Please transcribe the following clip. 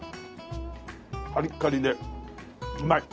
カリッカリでうまい。